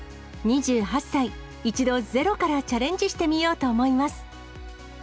２８歳、一度、ゼロからチャレンジしてみようと思います。